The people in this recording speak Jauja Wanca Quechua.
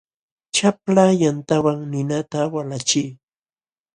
Chapla yantawan ninata walachiy.